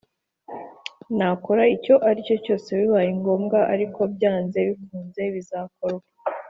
nakora icyo aricyo cyose bibaye ngombwa ariko byanze bikunze bizakorwa